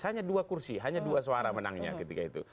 hanya dua suara menangnya ketika itu